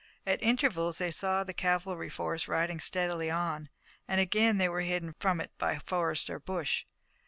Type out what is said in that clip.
At intervals they saw the cavalry force riding steadily on, and again they were hidden from it by forest or bush.